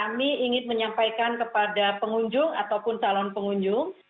kami ingin menyampaikan kepada pengunjung ataupun calon pengunjung